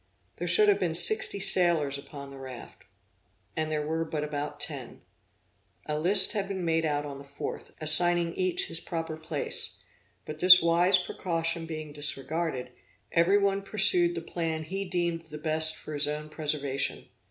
There should have been sixty sailors upon the raft, and there were but about ten. A list had been made out on the 4th, assigning each his proper place: but this wise precaution being disregarded, every one pursued the plan he deemed the best for his own preservation.